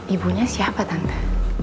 ibunya siapa tante